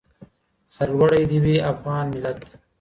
سرلوړی دې وي افغان ملت.